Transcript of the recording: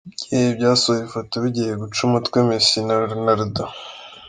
ibyihebe byasohoye ifoto bigiye guca umutwe Messi na Ronaldo.